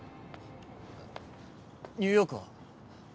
ニューヨークは？